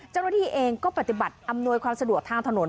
เจ้าหน้าที่เองก็ปฏิบัติอำนวยความสะดวกทางถนน